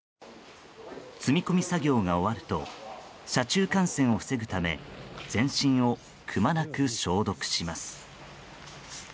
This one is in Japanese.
積み込み作業が終わると車中感染を防ぐため全身をくまなく消毒します。